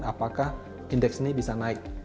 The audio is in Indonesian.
apakah indeks ini bisa naik